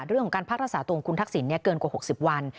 เรื่องของการพักรักษาตัวของคุณทักษิณเกินกว่า๖๐วัน